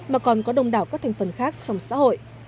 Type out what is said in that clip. mà còn có đông đảo các thành phần khác trong xã hội